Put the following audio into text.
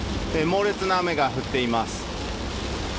猛烈な雨が降っています。